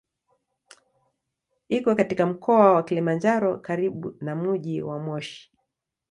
Iko katika Mkoa wa Kilimanjaro karibu na mji wa Moshi.